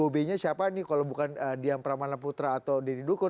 dua b nya siapa nih kalau bukan dian pramana putra atau deddy dukun